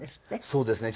そうですね。